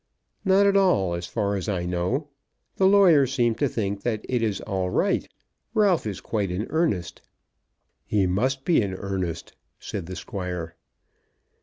"Not at all, as far as I know. The lawyers seem to think that it is all right. Ralph is quite in earnest." "He must be in earnest," said the Squire.